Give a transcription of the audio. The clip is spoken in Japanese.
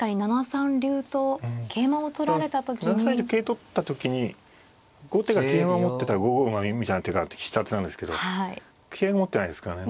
７三竜と桂取った時に後手が桂馬を持ってたら５五馬みたいな手があって必殺なんですけど桂を持ってないですからね。